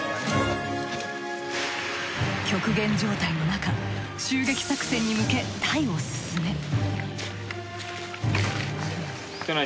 極限状態のなか襲撃作戦に向け隊を進め。